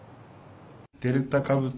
デルタ株等